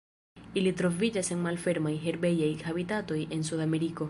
Ili troviĝas en malfermaj, herbejaj habitatoj en Sudameriko.